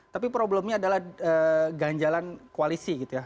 tapi problemnya adalah ganjalan koalisi gitu ya